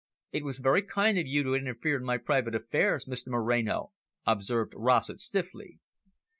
"It was very kind of you to interfere in my private affairs, Mr Moreno," observed Rossett stiffly.